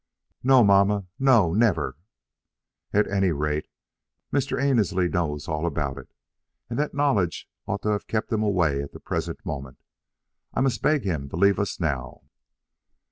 "No, mamma; no, never." "At any rate, Mr. Annesley knows all about it. And that knowledge ought to have kept him away at the present moment. I must beg him to leave us now."